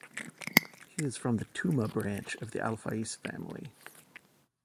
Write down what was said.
He is from the Tumah branch of the Al Faiz family.